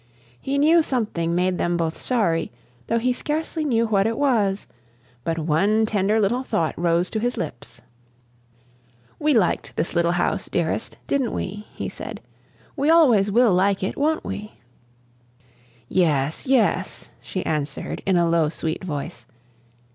He knew something made them both sorry, though he scarcely knew what it was; but one tender little thought rose to his lips. "We liked this little house, Dearest, didn't we?" he said. "We always will like it, won't we?" "Yes yes," she answered, in a low, sweet voice.